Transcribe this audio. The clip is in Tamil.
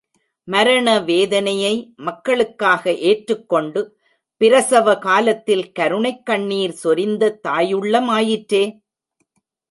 மரண வேதனையை மக்களுக்காக ஏற்றுக் கொண்டு பிரசவ காலத்தில் கருணைக் கண்ணீர் சொரிந்த தாயுள்ளமாயிற்றே.